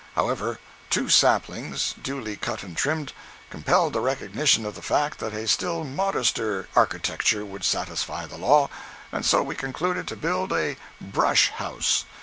However, two saplings, duly cut and trimmed, compelled recognition of the fact that a still modester architecture would satisfy the law, and so we concluded to build a "brush" house.